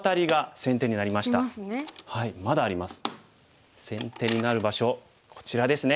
先手になる場所こちらですね。